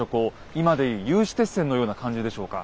今で言う有刺鉄線のような感じでしょうか。